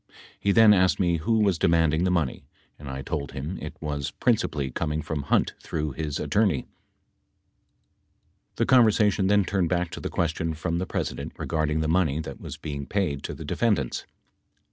He then asked me who was demanding the money and I told him it was principally coming from Hunt through his attorney ... The conversation then turned back to the question from the President regarding the money that was being paid to the defendants.